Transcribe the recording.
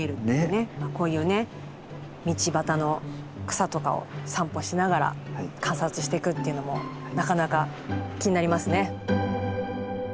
こういうね道端の草とかを散歩しながら観察していくっていうのもなかなか気になりますね。